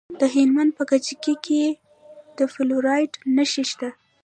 د هلمند په کجکي کې د فلورایټ نښې شته.